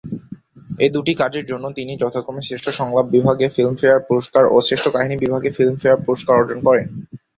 এই দুটি কাজের জন্য তিনি যথাক্রমে শ্রেষ্ঠ সংলাপ বিভাগে ফিল্মফেয়ার পুরস্কার ও শ্রেষ্ঠ কাহিনি বিভাগে ফিল্মফেয়ার পুরস্কার অর্জন করেন।